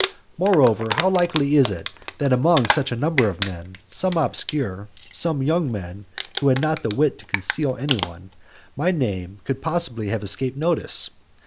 Moreover, how likely it is, that among such a number of men, some obscure, some young men who had not the wit to conceal any one, my name could possibly have escaped notice!